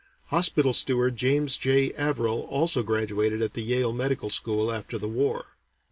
Hospital Steward James J. Averill also graduated at the Yale Medical School after the war.